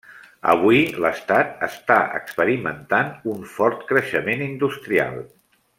Avui l'estat està experimentant un fort creixement industrial.